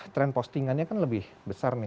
tren postingannya kan lebih besar nih